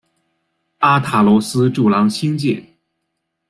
阿塔罗斯柱廊兴建。